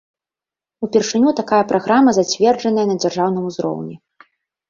Упершыню такая праграма зацверджаная на дзяржаўным узроўні.